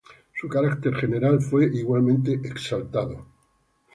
Su carácter general, fue igualmente exaltó.